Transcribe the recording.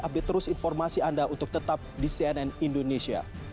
update terus informasi anda untuk tetap di cnn indonesia